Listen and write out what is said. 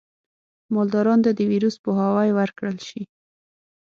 مالدارانو ته د ویروس پوهاوی ورکړل شي.